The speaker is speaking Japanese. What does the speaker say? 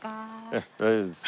ええ大丈夫です。